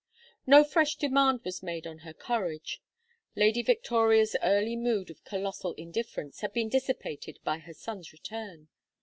No fresh demand was made on her courage. Lady Victoria's earlier mood of colossal indifference had been dissipated by her son's return.